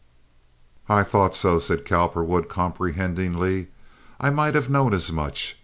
"I thought so," said Cowperwood, comprehendingly. "I might have known as much.